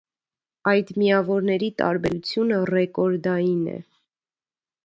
Այդ միավորների տարբերությունը ռեկորդային է։